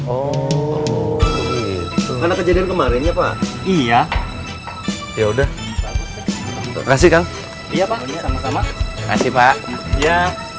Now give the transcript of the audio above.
oh karena kejadian kemarin ya pak iya ya udah kasih kang iya pak sama sama kasih pak ya